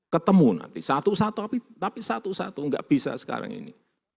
ketemu nanti satu satu tapi satu satu nggak bisa sekarang ini